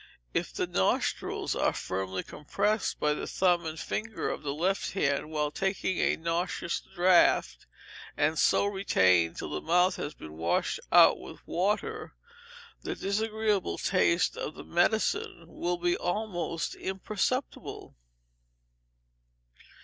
If the nostrils are firmly compressed by the thumb and finger of the left hand, while taking a nauseous draught, and so retained till the mouth has been washed out with water, the disagreeable taste of the medicine will be almost imperceptible.